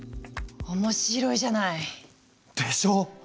面白いじゃない！でしょ！